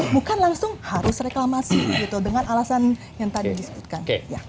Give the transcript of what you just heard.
bukan langsung harus reklamasi dengan alasan yang tadi disebutkan